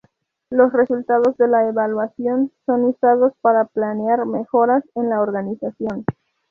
Los resultados de la evaluación son usados para planear mejoras en la organización.